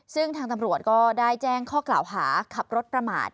ซึ่งทางตำรวจก็ได้แจ้งข้อกล่าวหาขับรถประมาท